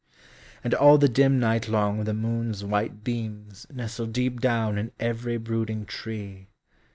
And all the dim night long the moon's white beams Nestle deep down in every brooding tree.